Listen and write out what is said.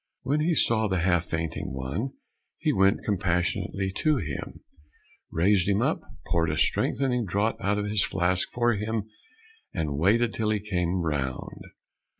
When he saw the half fainting one, he went compassionately to him, raised him up, poured a strengthening draught out of his flask for him, and waited till he came round.